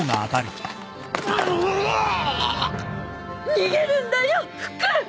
逃げるんだよふく！